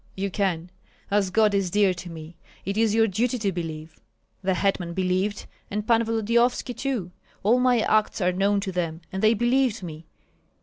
"You can, as God is dear to me; it is your duty to believe. The hetman believed, and Pan Volodyovski too. All my acts are known to them, and they believed me.